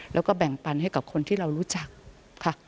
แล้วก็แบ่งปันให้กับคนที่เรารู้จักค่ะ